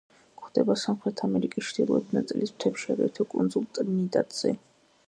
გვხვდება სამხრეთ ამერიკის ჩრდილოეთი ნაწილის მთებში, აგრეთვე კუნძულ ტრინიდადზე.